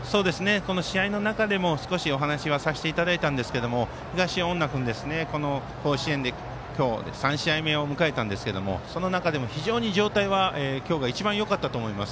試合の中でもお話をさせていただいたんですが東恩納君、この甲子園で今日３試合目を迎えたんですけれどもその中でも非常に状態は今日が一番よかったと思います。